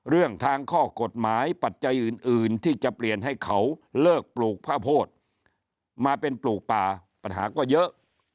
เรื่องทางข้อกฎหมายปัจจัยอื่นที่จะเปลี่ยนให้เขาเลิกปลูกข้าวโพดมาเป็นปลูกป่าปัญหาก็เยอะ